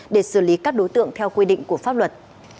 để xử lý các đối tượng theo quy định của pháp luật